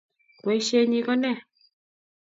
Boisienyi ko ne?